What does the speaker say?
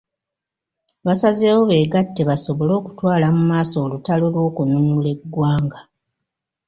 Basazewo beegatte basobole okutwala mu maaso olutalo lw'okununula eggwanga.